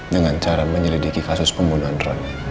dengan cara menyelidiki kasus pembunuhan roni